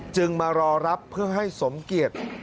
จึงมารอรับเพื่อให้สมเกียจ